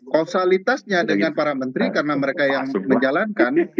kosalitasnya dengan para menteri karena mereka yang menjalankan